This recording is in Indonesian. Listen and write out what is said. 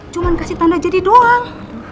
cuma kasih tanda jadi doang